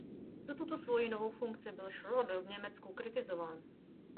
Za tuto svoji novou funkci byl Schröder v Německu kritizován.